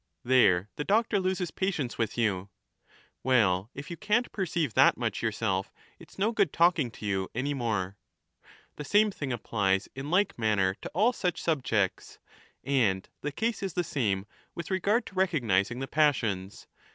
There the doctor loses patience with you, ' Well, if you can't perceive that much yourself, it 's no good talking to you any more.' ^ The same thing applies in like manner to all such subjects. And the case is the same with regard to recognizing the passions.